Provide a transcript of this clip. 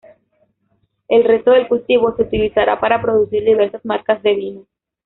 El resto del cultivo se utilizará para producir diversas marcas de vino.